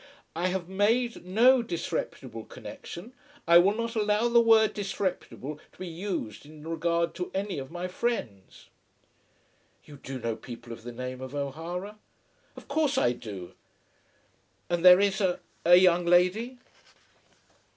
"I have made no disreputable connexion. I will not allow the word disreputable to be used in regard to any of my friends." "You do know people of the name of O'Hara?" "Of course I do." "And there is a young lady?"